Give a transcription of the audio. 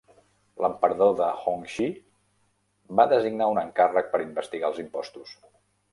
L'emperador de Hongxi va designar un encàrrec per investigar els impostos.